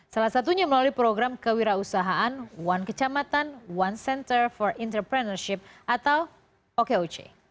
salah satunya melalui program kewirausahaan one kecamatan one center for entrepreneurship atau okoc